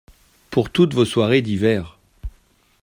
Pour toutes vos soirées d’hiver !